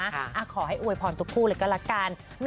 ค่ะขอให้อวยผ่อนทุกคู่เลยก็แล้วกัน